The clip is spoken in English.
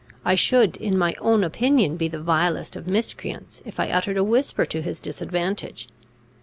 I should in my own opinion be the vilest of miscreants, if I uttered a whisper to his disadvantage.